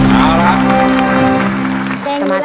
เอาละครับ